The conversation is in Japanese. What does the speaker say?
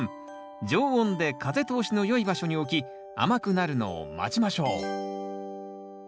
常温で風通しの良い場所に置き甘くなるのを待ちましょう。